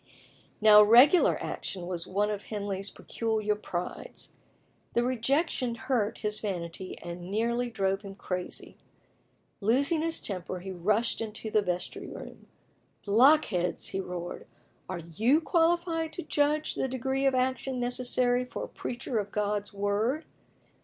Now, "regular action" was one of Henley's peculiar prides. The rejection hurt his vanity and nearly drove him crazy. Losing his temper, he rushed into the vestry room. "Blockheads!" he roared, "are you qualified to judge of the degree of action necessary for a preacher of God's Word?